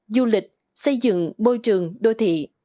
du lịch xây dựng bôi trường đô thị